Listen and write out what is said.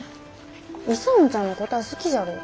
勇ちゃんのこたあ好きじゃろう。